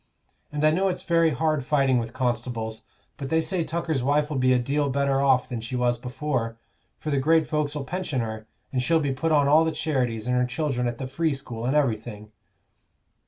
And I know it's very hard fighting with constables; but they say Tucker's wife'll be a deal better off than she was before, for the great folks'll pension her, and she'll be put on all the charities, and her children at the Free School, and everything.